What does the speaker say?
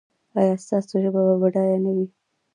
ایا ستاسو ژبه به بډایه نه وي؟